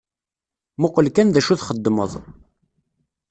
Muqel kan d acu txeddmeḍ.